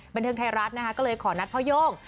บันเทิงไทยรัฐนะคะก็เลยขอนัดพ่อโย่ง